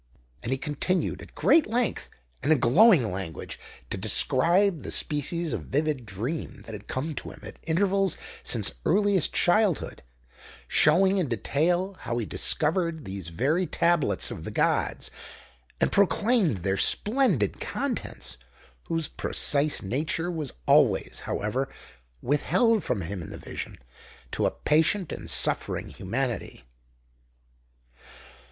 And he continued at great length and in glowing language to describe the species of vivid dream that had come to him at intervals since earliest childhood, showing in detail how he discovered these very Tablets of the Gods, and proclaimed their splendid contents whose precise nature was always, however, withheld from him in the vision to a patient and suffering humanity.